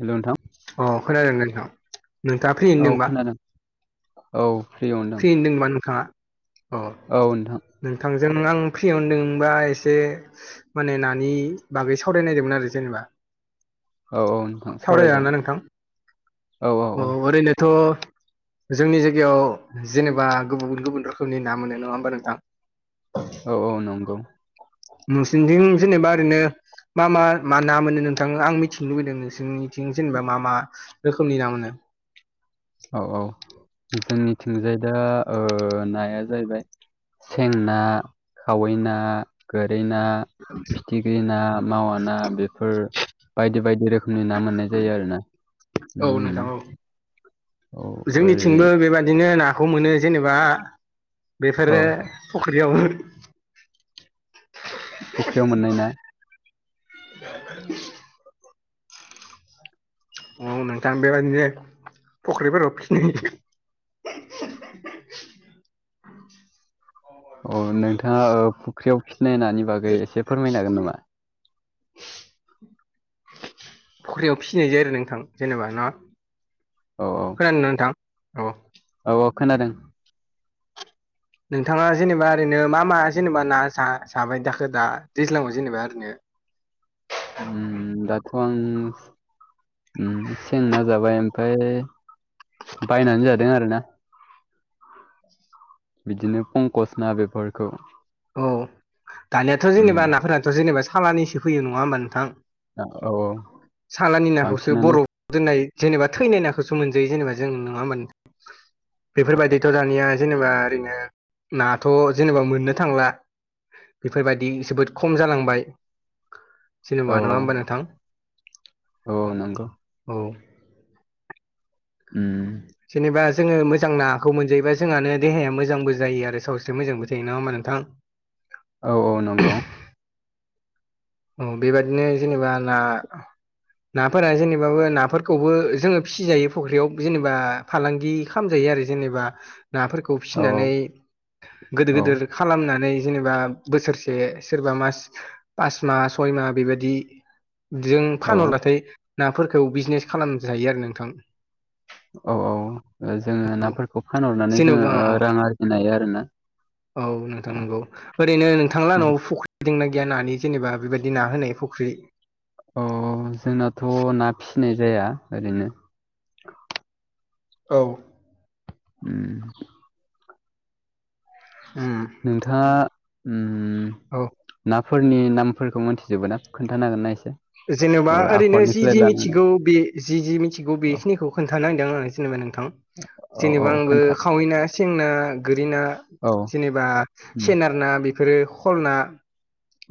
Hello नोंथां अ खोनादों नोंथां नोंथाङा फ्रियै औ दंबा खोनादों औ फ्रि दं फ्रियै दोंबा नोंथाङा अ औ नोंथां नोंथांजों आं फ्रियावदोंबा एसे माने नानि बागै सावरायनो नागिरदोंमोन आरो जेनेबा औ औ नोंथां सावरायजागोन औ औ अ औ ओरैनोथ' जोंनि जायगायाव जेनेबा गुबुन गुबुन रोखोमनि ना मोनो नङा होमबा नोंथां औ औ नंगौ नोंसिनिथिं जेनेबा ओरैनो मा मा मा ना मोनो नोंथां आं मिथिनो लुबैदों नोंसोरनि थिं जेनेबा मा मा रोखोमनि ना मोनो औ औ जोंनिथिंजाय दा नाया जाहैबाय सें ना खावै ना गोरै ना फिथिख्रि ना मावा ना बेफोर बायदि बायदि रोखोम रोखोमनि ना मोननाय जायो आरो ना औ ओ नोंथां औ जोंनिथिंबो बेबादिनो नाखौ मोनो जेनेबा औ बेफोरो फख्रियावबो फख्रियाव मोननाय ना [inaudible] औ नोंथां बेबायदिनो फख्रिफोराव फिनि अ नोंथाङा फुख्रियाव फिनाय नानि बागै एसे फोरमायनो हागोन नामा [inaudible] फख्रियाव फिसिनाय जायो आरो नोंथां जेनेबा ना औ औ खोनादों ना नोंथां औ औ औ खोनादों नोंथाङा जेनेबा ओरैनो मा मा जेनेबा ना जा जाबाय दाखो दा दैज्लांआव जेनेबा ओरैनो उम दाथ' आं सें ना जाबाय ओमफ्राय बायनानै जादों आरोना बिदिनो पंकस ना बेफोरखौ औ दानियाथ' उम जेनेबा नाफोरानाथ' जेनेबा सालानिसो फैयो नङा होमबा नोंथां औ औ सालानि नाखौसो बांसिनानो बरफ दोननाय जेनेबा थैनाय नाखौसो मोनजायो जेनेबा जों नङा होनबा नों बेफोरबायदिथ' दानिया जेनेबा ओरैनो नाथ' जेनेबा मोननो थांला बेफोरबायदि जोबोद खम जालांबाय औ जेनेबा नङा औ होमबा नोंथां औ नंगौ औ ओम जेनेबा जोङो मोजां नाखौ मोनजायोबा जोंहानो देहाया मोजांबो जायो आरो सावस्रि मोजांबो थायो नङा होमबा नोंथां औ औ नंगौ औ बेबायदिनो जेनेबा आंना नाफोरा जेनेबाबो नाफोरखौबो जोङो फिसिजायो फख्रियाव जेनेबा फालांगि खालामजायो आरो जेनेबा नाफोरखौ औ फिसिनानै गोदिर औ गोदिर खालामनानै जेनेबा बोसोरसे सोरबा मास पास माह सय माह बेबायाददि बिजों औ फानहरब्लाथाय नाफोरखौ बिजनेस खालामजायो आरो नोंथां औ औ जोंङो नाफोर खौ फानहरनानै जेन'बा जोङो औ रां आरजिनो हायो आरोना औ नोंथां अ नंगौ ओरैनो नोंथांला नानावबो फुख्रि दंना गैया नानि जेनेबा बेबायदि ना होनाय फुख्रि अ जोंनाथ' ना फिसिनाय जाया ओरैनो औ उम उम नोंथाङा ओ औ नाफोरनि नामफोरखौ मोनथिजोबो ना खोन्थानो हागोन ना एसे? जेनेबा ओ ओरैनो जि आखरनिफ्राय जि लानानै मिथिगौ बे जि जि मिथिगौ औ बेखिनिखौ खोनथानो नागिरदों आं जेनेबा नोंथां औ औ जेनेबा आंबो खोन्था खावैना सें ना गोरि ना औ जेनेबा उम सेनार ना बेफोरो खल ना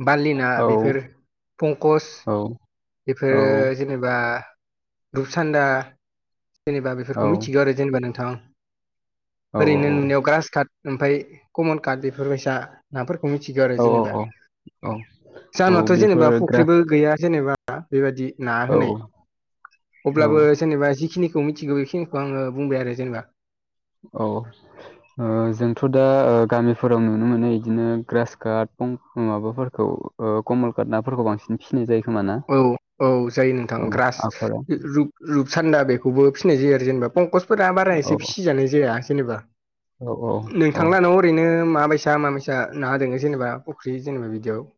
बारलिना औ बेफोर फंकस औ औ बेफोरो जेनेबा रुपसान्दा जेनेबा औ बेफोरखौ मिथिगौ आरो जेनेबा नोंथां औ ओरैनो नुनायाव औ ग्रास काट ओमफ्राय कमन कार्ड बेफोरबायसा नाफोरखौ मिथिगौ आरो जेनेबा औ औ औ जानावथ' बेफोर जेनेबा फुख्रिबो ग्रास गैया जेनेबा बेबायदि ना औ होनाय औ अब्लाबो जेनेबा जिखिनिखौ मिथिगौ बेखिनिखौ आङो बुंबाय आरो जेनेबा औ ओ जोंथ' दा गामिफोराव नुनो मोनो बिदिनो ग्रास काट माबाफोरखौ अ कमल कार नाफोरखौ बांसिन फिसिनाय जायो खोमाना औ औ जायो नोंथां ग्रास आखराव रुप रुप सान्दा बेखौबो फिसिनाय जायो आरो जेनेबा पंकसफोरा बारा औ एसे फिसिजानाय जाया जेनेबा औ औ औ नोंथांलान' ओरैनो माबायसा माबायसा ना दंङो जेनेबा फख्रि जेनेबा बिदियाव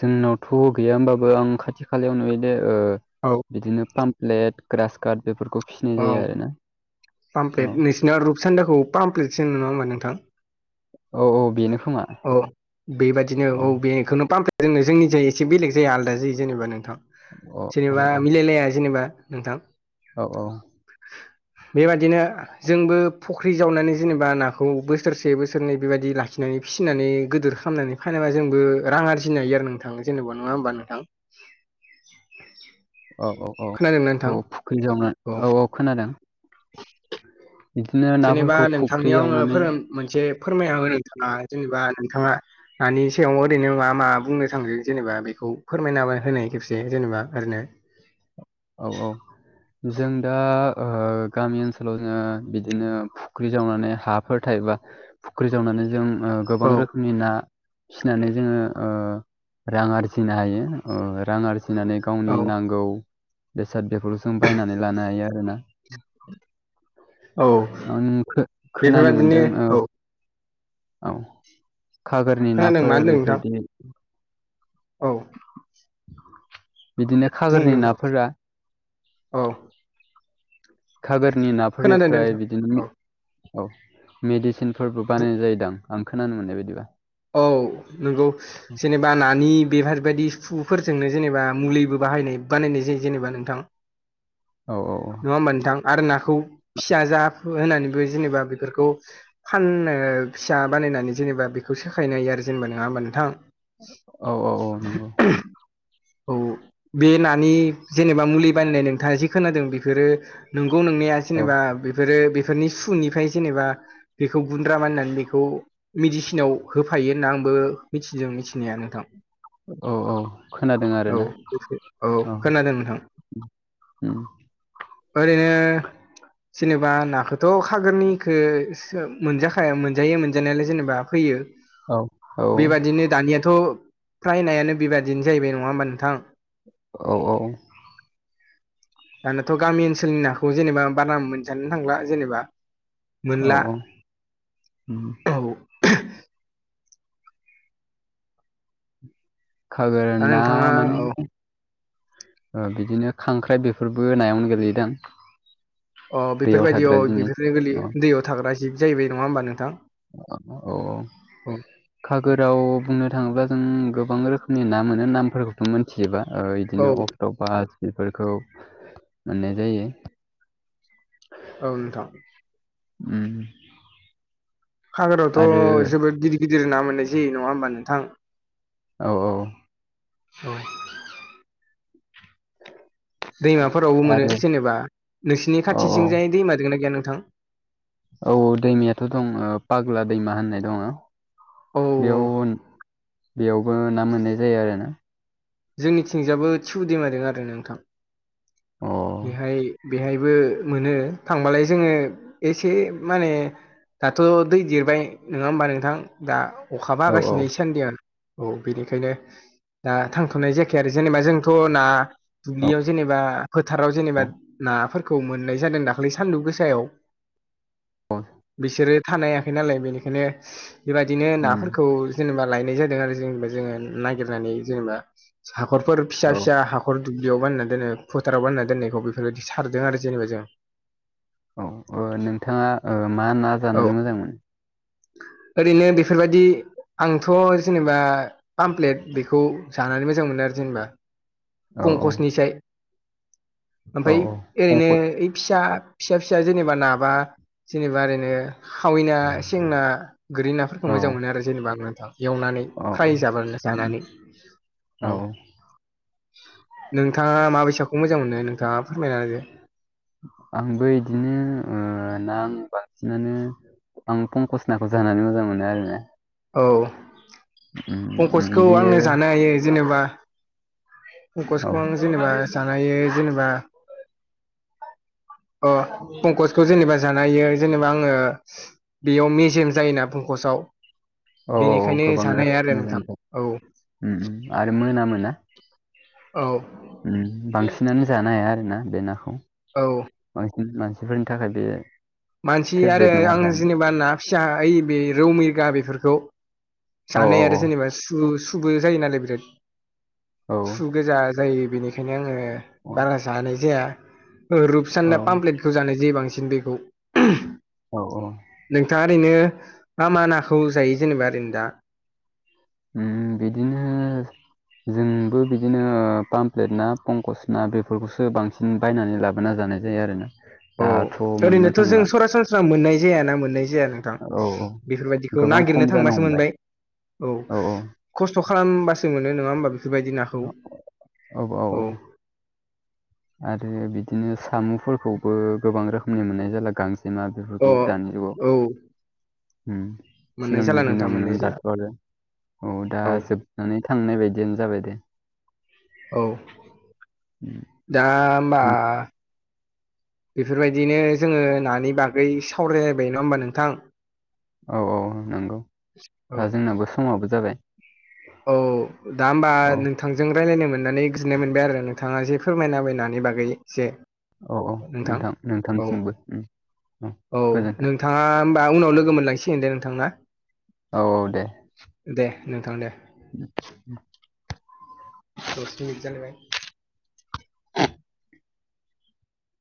जोंनावथ' गैया होमबाबो आं खाथि खालायावनो ओ औ बिदिनो पामप्लेट ग्रास काट बेफोरखौ फिसिनाय औ जायो आरोना औ पामप्लेट नोंसिना रुपसान्दाखौ पामप्लेटसो नंङा होमबा नोंथां औ औ बेनो खोमा औ बेबायदिनो औ बेखौनो फाहफ जोंनो जोंनि जाय एसे बेलेग जाया आलादा जायो जेनेबा नोंथां औ औ जेनेबा मिलायलाया जेनेबा नोंथां औ-औ बेबायदिनो जोंबो फख्रि जावनानै जेनेबा नाखौ बोसोरसे बोसोरनै बेबायदि लाखिनानै फिसिनानै गोदोर खालामनानै फानोबा जोंबो रां आरजिनोायो नोंथां जेनेबा नङा होमबा नोंथां खोनादोंना नोंथां औ-औ-औ-औ फुख्रिजावनो औ औ-औ खोनादों बिदिनो जेनेबा नाफोरखौ फुख्रि नोंथांनियाव आंङो जावनानै फोरों मोनसे फोरमायहो नोंथाङा जेनेबा नोंथांङा दानि सायाव ओरैनो मा मा बुंनो थांदों जेनेबा बेखौ फोरमायना होनाय खेबसे जेनेबा ओरैनो औ-औ जों दा गामि ओनसोलाव जोंङो बिदिनो फुख्रि जावनानै हा फोरथाय बा फुख्रि जावनानै जों गोबां औ रोखोमनि ना फिसिनानै जोङो रां आरजिनो हायो रां आरजिनानै गावनि नांगौ बेसाद बेफोरखौ जों बायनानै लानो हायो आरोना औ आं खो खोनानो बेफोरबायदिनो मोनदों औ औ खागोरनि खोनादों मा नाफोर होनदों नोंथां बेफोरबादिनो औ बिदिनो बुं खागोरनि नोंथां नाफोरा औ खागोरनि खोनादों दे नाफोरनिफ्राय नोंथां औ बिदिनो औ मेडिसिन फोरबो बानायनाय जायोदां आं खोनानो मोननाय बायदिबा औ नंगौ जेनेबा नानि बेफोरबायदि सुफोरजोंनो जेनेबा मुलिबो बाहायनाय बानायनाय जायो जेनेबा नोंथां औ औ औ नङा होमबा नोंथां आरो नाखौ फिसा जा होननानैबो जेनेबा बेफोरखौ फाननो फिसा बानायनानै जेनेबा बेखौ सोखायनाय हायो आरो जेनेबा नङा होमबा नोंथां औ-औ-औ नंगौ औ बे नानि जेनेबा मुलि बानायनाय नोंथांङा जि खोनादों बेफोरो नंगौ नोंनाया औ जेनेबा बेफोरो बेफोरनि सुनिफ्राय जेनेबा बेखौ गुन्द्रा माननानै बेखौ मेडिसिनाव होफायो होनना आंबो मिथिदों मिथिनाया नोंथां औ औ खोनादों [inaudible] आरोना औ-औ खोनादों नोंथां ओम ओरैनो जेनेबा नाखौथ' खागोरनिखौ मोनजाखाया मोनजायो मोनजानायालाय जेनेबा फैयो औ औ बेबादिनो दानियाथ' फ्राय नायानो बेबादिनो जाहैबाय नङा होमबा नोंथां औ-औ [inaudible] दानियाथ' गामि ओनसोलनि नाखौ जेनेबा बारा मोनजानो थांला जेनेबा मोनला औ-औ ओम औ खागोर दा ना नोंथाङा माने औ बिदिनो खांख्राइ बेफोरबो नायावनो गोलैयोदां अ दैयाव थाग्रा बेफोरबायदियाव जिनिस बेफोरनो गोरलै औ दैयाव थाग्रा जिब जाहैबाय नङा होमबा नोंथां औ औ खागोराव बुंनो थाङोब्ला जों गोबां रोखोमनि ना मोनो नामफोरखौ मिथिजोबा औ बिदिनो अक्ट' पास बेफोरखौ मोननाय जायो औ नोंथां उम आरो खागोरावथ' जोबोद गिदिर गिदिर ना मोननाय जायो नङा होमबा नोंथां औ-औ [inaudible] दैमाफोरावबो मोनो आरो जेनेबा नोंसिनि औ औ खाथिथिंजाय दैमा दोंना गैया नोंथां? औ दैमायाथ' दङ पाग्ला दैमा होननाय दङ औ औ बेयाव बेयावबो ना मोननाय जायो आरो ना। जोंनिथिजायबो थिउ दैमा दोङो आरो नोंथां। अ बेहाय बेहायबो मोनो थांबालाय जोङो एसे माने दाथ' दै देरबाय नङा होमबा नोंथां दा अखाबो औ औ हागासिनो सानैयाव। औ बेनिखायनो दा थांथ'नाय जायाखै आरो जेनेबा जोंथ' ना औ दुब्लियाव जेनेबा फोथाराव जेनेबा नाफोरखौ मोननाय जादों दाख्लै सानदुं गोसायाव। औ बिसोरो थानो हायाखै नालाय बेनिखायनो बेबायदिनो उम नाफोरखौ जेनेबा लायनाय जादों आरो जेनेबा जोङो नागिरनानै जेनेबा हाखरफोर फिसा औ फिसा हा खर दुब्लियाव बाननानै दोनो फोथाराव बानना दोन्नायखौ बेफोरबायदि सारदों आरो जेनेबा जों। औ नोंथाङा ऐ मा ना औ जानानै मोजां मोनो? ओरैनो बेफोरबायदि आंथ' जेनेबा पामप्लेट बेखौ जानानै मोजां मोनो आरो जेनेबा। औ औ फंखसनिसाय औ ओमफाय औ ओरैनो कंकड ओइ फिसा फिसा फिसा जेनेबा नाबा जेनेबा ओरैनो खावैना सेंना गोरि नाफोरखौ औ मोजां मोनो आरो जेनेबा आं नोंथां एवनानै। औ खाय जाब उम जानानै औ नोंथाङा माबायसाखौ मोजां मोनो नोंथाङा फोरमायना आंबो इदिनो ना बांसिनानो आं पंकस नाखौ जानानै मोजां मोनो आरोना। औ उम उम पंकसखौ बियो आङो जानो हायो जेनेबा औ फंकसखौ आं जेनेबा जानाय जेनेबा अ पंकसखौ जेनेबा जानाय जेनेबा आङो बेयाव मेजेम जायोना पंकसाव। औ बेनिखायनो जानाया आरो नोंथां औ ओम आरो मोनामोना। औ उम बांसिनानो जानो हाया आरो ना बे नाखौ औ बांसिन मानसिफोरनि थाखाय बे मानसि आरो फेभरेट नङा आं जानो जेनेबा ना फिसा ओइ बे रौ मिरगा बेफोरखौ औ जानो हाया आरो जेनेबा सु सुबुबो जायो नालाय बिराद औ सु गोजा जायो बेनिखायनो आङो औ बारा जानाय जाया औ रुपसाना पामप्लेट गोथौ जानाय जे बांसिन बेखौ औ औ नोंथाङा ओरैनो मा मा नाखौ जायो जेनेबा ओरैनो दा? उम बिदिनो जोंबो बिदिनो पामप्लेट ना पंकस ना बेफोरखौसो बांसिन उम बायनानै लाबोना जानाय जायो आरो ना। औ ओरैनोथ' जों सरासनस्रा मोननाय जायाना मोननाय जायाना। थां औ औ बेफोरबायदिखौ गोबां नागिरनो खम जानो थांबासो हमबाय मोनबाय औ खस्थ' खालामबासो मोनो नङा होमबा बेफोरबायदि नाखौ औ औ आरो बिदिनो साम'फोरखौबो गोबां रोखोमनि मोननाय जाला गांजेमा अ बेफोरखौ दानि जुगाव औ उम मोननाय जाला सिगांनि नोंथां दिनाव मोननाय मोनोन जाला दाथ' आरो औ दा जोबनानै थांनाय बायदियानो जाबाय दे। औ [inaudible] दा होमबा उम बेफोरबायदिनो जोंङो नानि बागै सावरायलायबाय नंङा होमबा नोंथां औ औ नंगौ औ दा जोंनाबो समावबो जाबाय औ दा होमबा औ नों थांजों रायलायनो मोननानै गनो मोनबाय आरो नोंथांङा जे फोरमायना बबायनानै बागै जे औ औ नोंथां नोंथांसिमबो औ गोजोनथों नोंङाहोमबा उनाव लोगो मोनलाइसि होन दे नोंथां ना औ औ दे दे नोंथां दे [inaudible] [inaudible] दस मिनिट जालायबाय